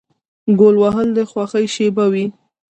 ګول وهل د خوښۍ شیبه وي.